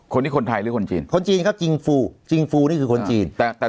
คนไทยหรือคนจีนคนจีนครับจิงฟูจิงฟูนี่คือคนจีนแต่แต่